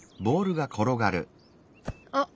あっ。